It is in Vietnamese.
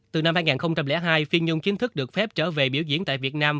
từ năm hai nghìn hai phiên nhung chính thức được phép trở về biểu diễn tại việt nam